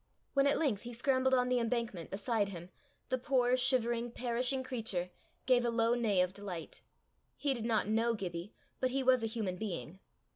When at length he scrambled on the embankment beside him, the poor, shivering, perishing creature gave a low neigh of delight: he did not know Gibbie, but he was a human being.